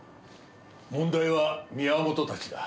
問題は宮本たちだ。